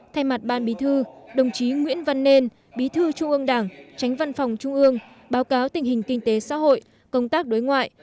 thay mặt ban bí thư đồng chí nguyễn văn nên bí thư trung ương đảng tránh văn phòng trung ương báo cáo tình hình kinh tế xã hội công tác đối ngoại